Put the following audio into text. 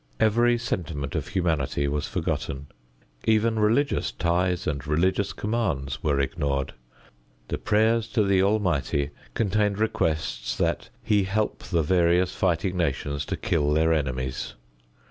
Every sentiment of humanity was forgotten. Even religious ties and religious commands were ignored. The prayers to the Almighty contained requests that He help the various fighting nations to kill their enemies.